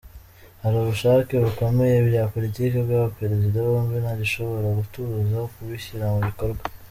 Hari ubushake bukomeye bya politiki bw’ abaperezida bombi nta gishobora kutubuza kubishyira mu bikorwa”.